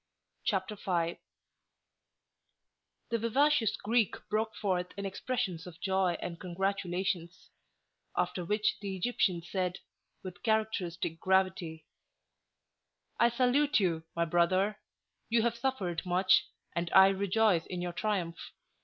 CHAPTER V The vivacious Greek broke forth in expressions of joy and congratulations; after which the Egyptian said, with characteristic gravity: "I salute you, my brother. You have suffered much, and I rejoice in your triumph.